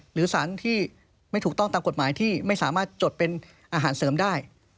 หรือสารที่ไม่ถูกต้องตามกฎหมายที่ไม่สามารถจดเป็นอาหารเสริมได้